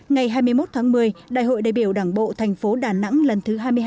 ngày hai mươi một tháng một mươi đại hội đại biểu đảng bộ thành phố đà nẵng lần thứ hai mươi hai